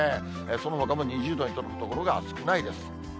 そのほかも２０度に届く所が少ないです。